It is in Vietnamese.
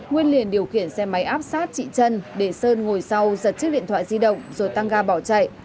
nguyên liền điều khiển xe máy áp sát chị trân để sơn ngồi sau giật chiếc điện thoại di động rồi tăng ga bỏ chạy